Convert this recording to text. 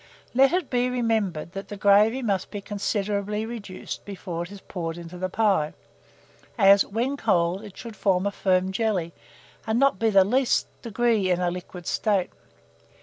Let it be remembered that the gravy must be considerably reduced before it is poured into the pie, as, when cold, it should form a firm jelly, and not be the least degree in a liquid state.